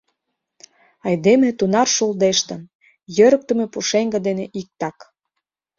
Айдеме тунар шулдештын — йӧрыктымӧ пушеҥге дене иктак...